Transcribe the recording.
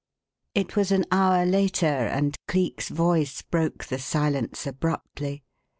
It was an hour later, and Cleek's voice broke the silence abruptly.